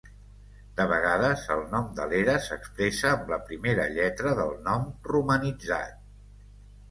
De vegades el nom de l'era s'expressa amb la primera lletra del nom romanitzat.